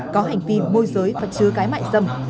có hành vi môi giới và chứa cái mại dâm